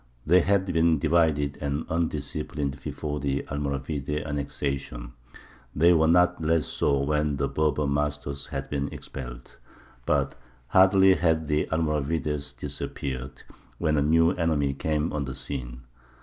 They had been divided and undisciplined before the Almoravide annexation: they were not less so when their Berber masters had been expelled. But hardly had the Almoravides disappeared, when a new enemy came on the scene.